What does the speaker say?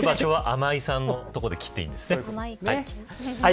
あまいさんのところで切っていいんですね。